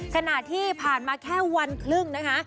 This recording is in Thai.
ขณะที่ผ่านมาแค่วันครึ่งนะคะ